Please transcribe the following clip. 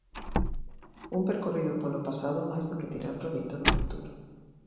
Un percorrido polo pasado mais do que tirar proveito no futuro.